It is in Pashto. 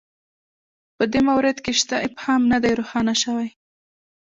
په دې مورد کې شته ابهام نه دی روښانه شوی